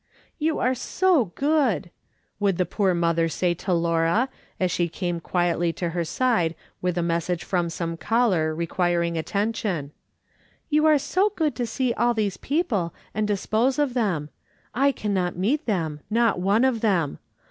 " You are so good," would the poor mother say to Laura, as she came quietly to her side with a message from some caller requirin^f attention ;" you are so good to see all these people and dispose of them. I cannot meet them, not one of them.